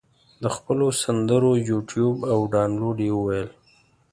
د خپلو سندرو یوټیوب او دانلود یې وویل.